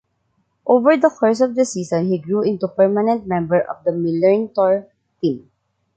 Over the course of the season, he grew into permanent member of the Millerntor team.